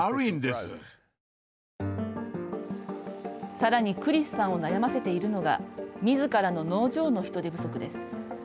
さらにクリスさんを悩ませているのがみずからの農場の人手不足です。